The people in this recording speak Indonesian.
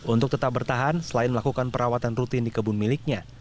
untuk tetap bertahan selain melakukan perawatan rutin di kebun miliknya